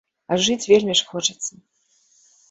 А жыць вельмі ж хочацца.